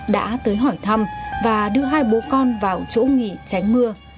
đã tới hỏi thăm và đưa hai bố con vào chỗ nghỉ tránh mưa